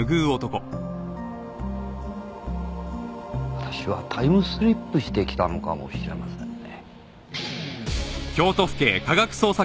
私はタイムスリップしてきたのかもしれませんね。